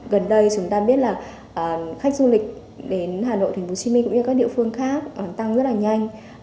gần đây chúng ta biết là khách du lịch đến hà nội tp hcm cũng như các địa phương khác tăng rất là nhanh